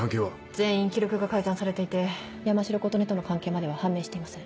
全員記録が改ざんされていて山城琴音との関係までは判明していません。